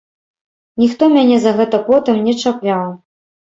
Ніхто мяне за гэта потым не чапляў.